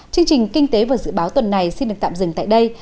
chương trình kinh tế và dự báo tuần này xin được tạm dừng tại đây